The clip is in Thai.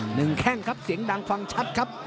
หนึ่งแข้งครับเสียงดังความชัดครับ